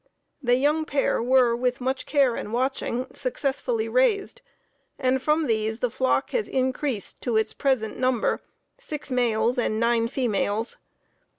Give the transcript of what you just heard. The young pair were, with much care and watching, successfully raised, and from these the flock has increased to its present number, six males and nine females.